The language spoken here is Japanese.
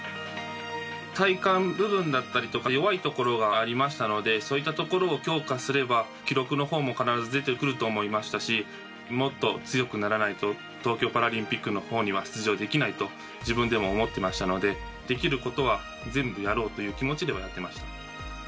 体幹部分だったりとか弱いところがありましたのでそういったところを強化すれば記録のほうも必ず出てくると思いましたしもっと強くならないと東京パラリンピックのほうには出場できないと自分でも思っていましたのでできることは全部やろうという気持ちでやっていました。